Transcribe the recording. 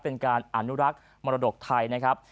เป็นการอนุรักษ์มรดกไทยนะครับ